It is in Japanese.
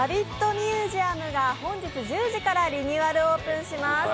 ミュージアムが本日１０時からリニューアルオープンします。